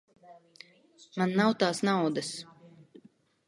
Man nav tās naudas.